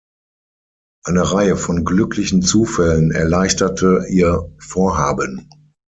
Eine Reihe von glücklichen Zufällen erleichterte ihr Vorhaben.